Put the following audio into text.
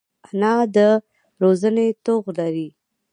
انا د روزنې توغ لري